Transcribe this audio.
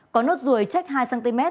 có nốt ruồi trách hai cm